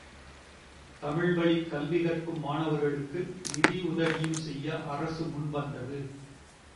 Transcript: தமிழ்வழிக் கல்வி கற்கும் மாணவர்களுக்கு நிதி உதவியும் செய்ய அரசு முன்வந்தது.